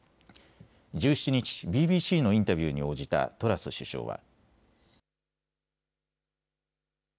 １７日、ＢＢＣのインタビューに応じたトラス首相は。